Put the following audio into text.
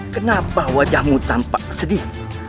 kenapa wajahmu tampak sedih